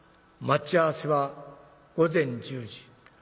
待ち合わせは午前１０時。